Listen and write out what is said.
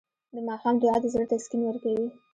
د ماښام دعا د زړه تسکین ورکوي.